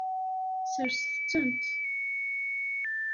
Serset-tent.